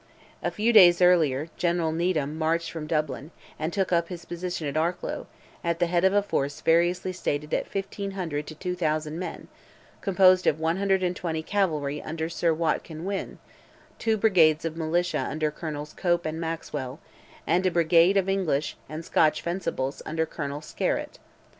A few days earlier, General Needham marched from Dublin, and took up his position at Arklow, at the head of a force variously stated at 1,500 to 2,000 men, composed of 120 cavalry under Sir Watkyn Wynne, two brigades of militia under Colonels Cope and Maxwell, and a brigade of English and Scotch fencibles under Colonel Skerrett.